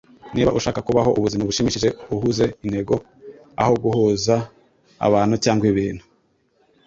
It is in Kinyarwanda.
Niba ushaka kubaho ubuzima bushimishije, uhuze intego, aho guhuza abantu cyangwa ibintu.